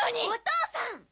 お父さん！